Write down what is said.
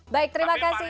baik terima kasih